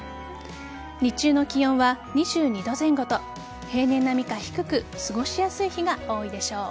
日中の気温は２２度前後と平年並みか低く過ごしやすい日が多いでしょう。